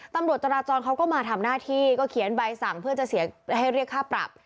ตำรวจจราจรเขาก็มาทำหน้าที่ก็เขียนใบสั่งเพื่อจะให้เรียกค่าปรับ